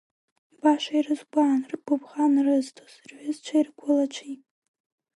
Баша ирызгәаауан гәыбӷан рызҭоз рҩызцәеи ргәылацәеи.